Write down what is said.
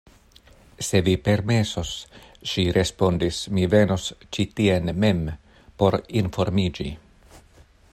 Se vi permesos, ŝi respondis, mi venos ĉi tien mem, por informiĝi.